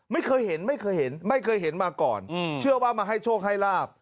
ไม่เคยเห็นไม่เคยเห็นไม่เคยเห็นมาก่อนเชื่อว่ามาให้โชคให้ลาบ